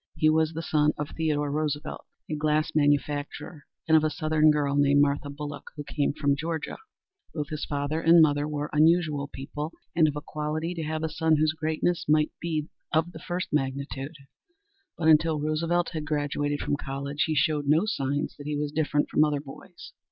He was the son of Theodore Roosevelt, a glass manufacturer, and of a southern girl named Martha Bulloch, who came from Georgia. Both his father and mother were unusual people, and of a quality to have a son whose greatness might be of the first magnitude but until Roosevelt had graduated from college, he showed no signs that he was different from other boys.